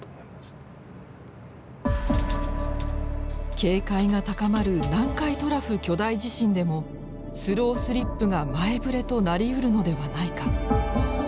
警戒が高まる南海トラフ巨大地震でもスロースリップが前ぶれとなりうるのではないか。